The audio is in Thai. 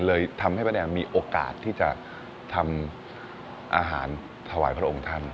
เลยทำให้ป้าแดงมีโอกาสที่จะทำอาหารถวายพระองค์ท่าน